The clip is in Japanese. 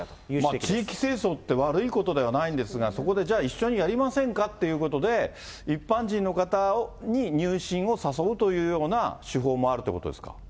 まあ、地域清掃って悪いことではないんですが、そこでじゃあ、一緒にやりませんか？ということで、一般人の方に入信を誘うというような手法もあるということですか？